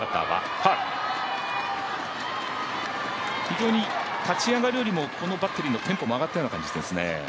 非常に立ち上がりよりもこのバッテリーのテンポも上がっている感じですね。